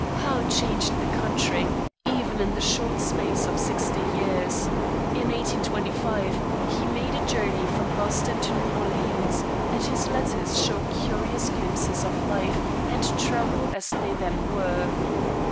How changed the country, even in the short space of sixty years! In 1825 he made a journey from Boston to New Orleans, and his letters show curious glimpses of life and travel as they then were.